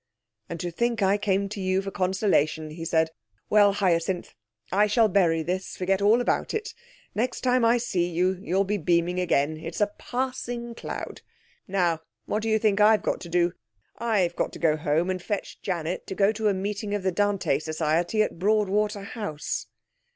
'And to think that I came to you for consolation!' he said. 'Well, Hyacinth, I shall bury this forget all about it. Next time I see you you'll be beaming again. It's a passing cloud. Now, what do you think I've got to do? I've got to go home and fetch Janet to go to a meeting of the Dante Society at Broadwater House.'